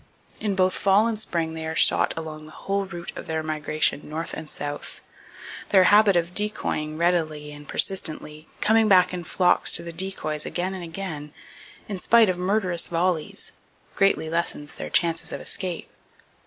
In both fall and spring they are shot along the whole route of their migration north and south. Their habit of decoying readily and persistently, coming back in flocks to the decoys again and again, in spite of murderous volleys, greatly lessens their chances of escape.